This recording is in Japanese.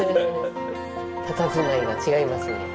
たたずまいが違いますね。